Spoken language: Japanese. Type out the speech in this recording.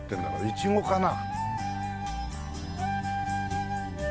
イチゴかな？